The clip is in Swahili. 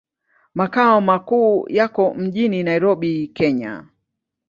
Makao makuu yako mjini Nairobi, Kenya.